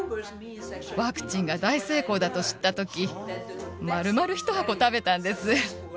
ワクチンが大成功だと知ったとき、丸々１箱食べたんです。